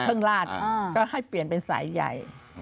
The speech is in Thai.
ขอเครื่องราชก็ให้เปลี่ยนเป็นสายใย